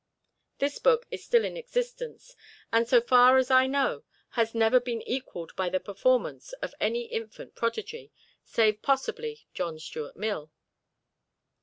This book is still in existence and so far as I know has never been equaled by the performance of any infant prodigy, save possibly John Stuart Mill.